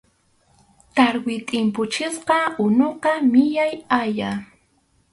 Tarwi tʼimpuchisqa unuqa millay haya.